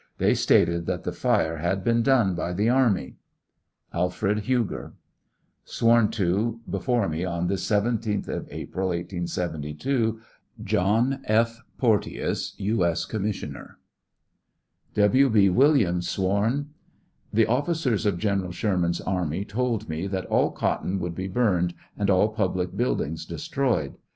They stated that the fire had been done by the army, ALFRED HUGBK. Sworn to before me, this 17th April, 1872. JOHJS F. POETEOUS. U. S. Com'r. W. B. Williams Sworn . The officers of General Sherman's army told me that all cotton would be burned and all public buildings destroyed.